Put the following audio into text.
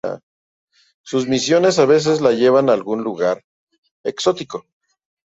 Sus misiones a veces le llevan a algún lugar exótico.